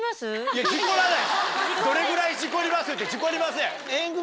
「どれぐらい事故ります？」って事故りません。